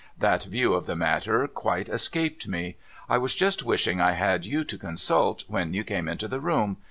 'I'hat view of tho matter quite escaped me. I was just wishing I had you to consult, when you came into the room.